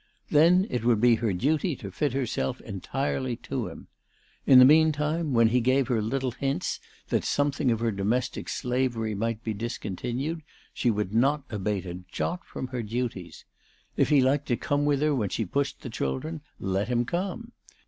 Then it would be her duty to fit herself entirely to him. In the meantime, when he gave her little hints that something of her domestic slavery might be discontinued, she would not abate a jot from her duties. If he liked to come with her when she pushed the children, let him come.